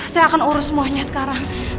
saya akan urus semuanya sekarang